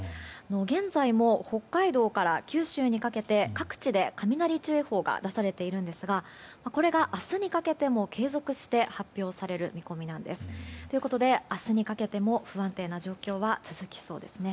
現在も、北海道から九州にかけて各地で雷注意報が出されているんですがこれが明日にかけても継続して発表される見込みなんです。ということで、明日にかけても不安定な状況は続きそうですね。